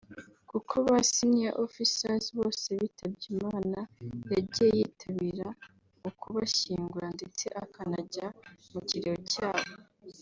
kuko ba Senior OfficersÂ bose bitabye Imana yagiye yitabira ukubashyingura ndetse akanajya mu Kiriyo cyabo